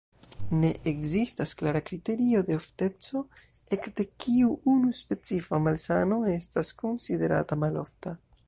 Ne ekzistas klara kriterio de ofteco, ekde kiu unu specifa malsano estas konsiderata malofta.